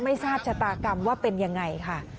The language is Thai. ไม่ทราบชะตากรรมว่าเป็นยังไงค่ะ